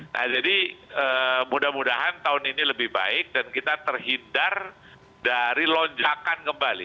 nah jadi mudah mudahan tahun ini lebih baik dan kita terhindar dari lonjakan kembali